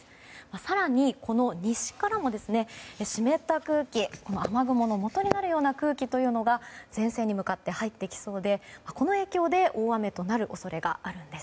更に、西からも湿った空気雨雲のもとになるような空気というのが前線に向かって入ってきそうでこの影響で大雨となる恐れがあるんです。